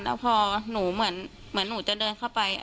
แล้วพอหนูเหมือนหนูจะเดินเข้าไป